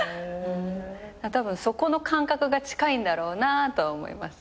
たぶんそこの感覚が近いんだろうなと思います。